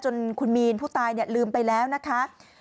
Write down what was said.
จนคุณมีนผู้ตายลืมไปแล้วนะคะ